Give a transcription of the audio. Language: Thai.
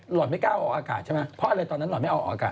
ไม่กล้าออกอากาศใช่ไหมเพราะอะไรตอนนั้นหลอดไม่ออกอากาศ